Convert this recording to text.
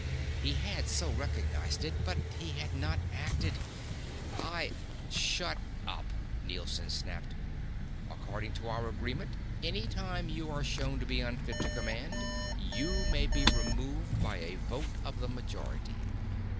He had so recognized it. But he had not acted. "I " "Shut up!" Nielson snapped. "According to our agreement, any time you are shown to be unfit to command, you may be removed by a vote of the majority.